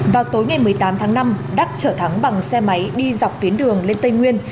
vào tối ngày một mươi tám tháng năm đắc trở thắng bằng xe máy đi dọc tuyến đường lên tây nguyên